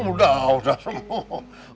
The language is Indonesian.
udah udah semua